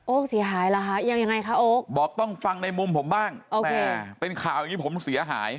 เสียหายเหรอคะยังไงคะโอ๊คบอกต้องฟังในมุมผมบ้างแม่เป็นข่าวอย่างงี้ผมเสียหาย